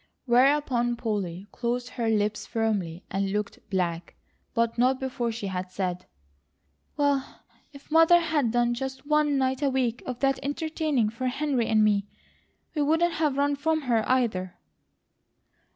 Whereupon Polly closed her lips firmly and looked black, but not before she had said: "Well, if Mother had done just one night a week of that entertaining for Henry and me, we wouldn't have run from her, either."